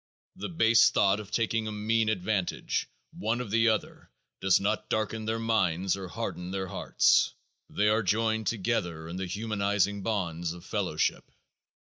The base thought of taking a mean advantage, one of the other, does not darken their minds or harden their hearts. They are joined together in the humanizing bonds of fellowship.